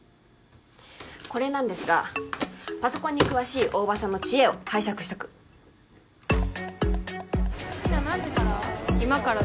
これなんですがパソコンに詳しい大庭さんの知恵を拝借したくひな何時から？